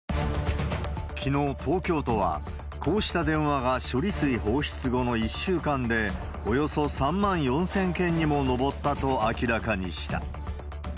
きのう、東京都は、こうした電話が処理水放出後の１週間でおよそ３万４０００件にも上ったと明らかにした。